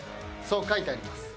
そう書いてあります。